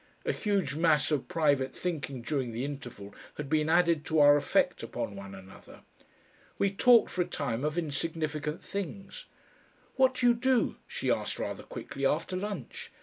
A huge mass of private thinking during the interval had been added to our effect upon one another. We talked for a time of insignificant things. "What do you do," she asked rather quickly, "after lunch?